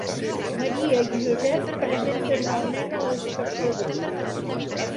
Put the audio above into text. Maria i Josep presenten al Nen a l'espectador.